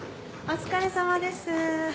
お疲れさまです。